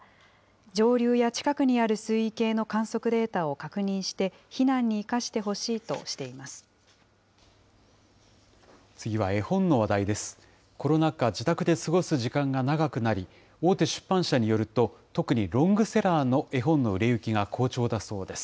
上流や近くにある水位計の観測データを確認して、避難に生かして次は絵本の話題です。